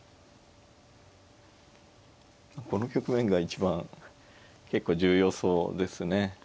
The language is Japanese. この局面が一番結構重要そうですね。